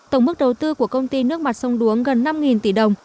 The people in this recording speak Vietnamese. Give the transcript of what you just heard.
tổng mức đầu tư của công ty nước mặt sông đuống gần năm tỷ đồng